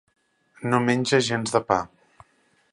No menja gens de pa.